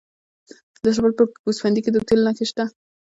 د سرپل په ګوسفندي کې د تیلو نښې شته.